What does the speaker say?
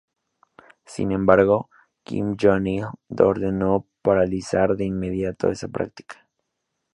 Sin embargo, Kim Jong-il ordenó paralizar de inmediato esa práctica.